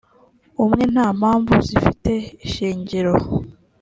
umwe nta mpamvu zifite ishingiro